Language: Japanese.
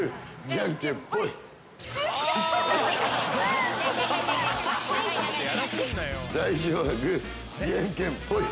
じゃんけんポイ！